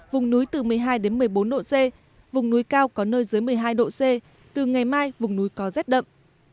vùng núi từ một mươi hai một mươi bốn độ c vùng núi cao có nơi dưới một mươi hai độ c từ ngày mai vùng núi có rét đậm